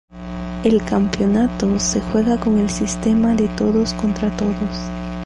El campeonato se juega con el sistema de todos contra todos.